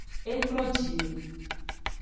E tro jime.